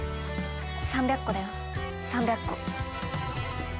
３００個だよ３００個。